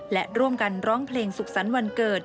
และร่วมกันร้องเพลงสุขสรรค์วันเกิด